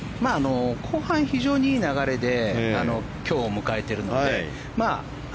後半、非常にいい流れで今日を迎えているので。